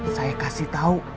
saya kasih tau